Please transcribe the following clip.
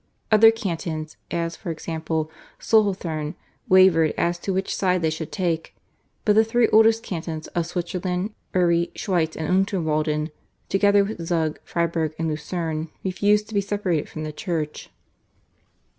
Other cantons, as for example, Solothurn, wavered as to which side they should take, but the three oldest cantons of Switzerland, Uri, Schweiz and Unterwalden, together with Zug, Freiburg and Lucerne, refused to be separated from the Church.